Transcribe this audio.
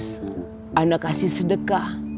saya memberikan sedekah